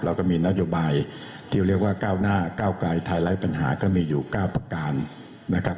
เราก็มีนโยบายที่เรียกว่าเก้าหน้าเก้าไกรไทยไร้ปัญหาก็มีอยู่เก้าประการ